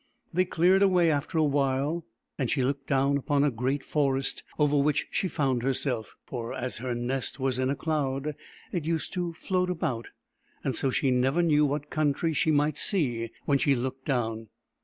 They cleared away after a while, and she looked down upon a great forest over which she found herself, for, as her nest was in a cloud, it used to float about, and so she never knew what country she might see when she looked down.